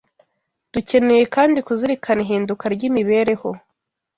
Dukeneye kandi kuzirikana ihinduka ry’imibereho